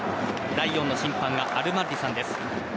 第４の審判がアルマッリさんです。